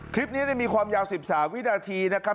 คลิปนี้มีความยาว๑๓วินาทีนะครับ